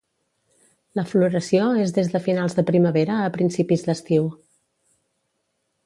La floració és des de finals de primavera a principis d'estiu.